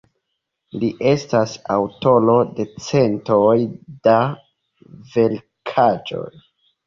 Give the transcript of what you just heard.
Li estas aŭtoro de centoj da verkaĵoj.